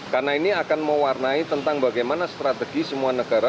karena ini akan mewarnai tentang bagaimana strategi semua negara